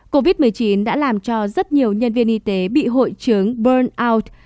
covid một mươi chín đã làm cho rất nhiều nhân viên y tế bị hội chứng burnout